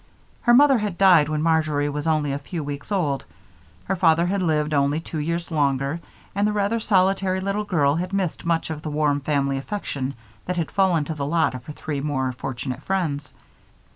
Her mother had died when Marjory was only a few weeks old, her father had lived only two years longer, and the rather solitary little girl had missed much of the warm family affection that had fallen to the lot of her three more fortunate friends.